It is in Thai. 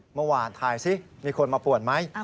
เมื่อวานถ่ายซิมีคนมาป่วนไหม